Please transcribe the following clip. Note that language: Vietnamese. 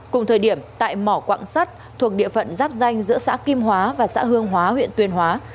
cùng thời điểm tại mỏ quạng sắt thuộc địa phận giáp danh giữa xã kim hóa và xã hương hóa huyện tuyên hóa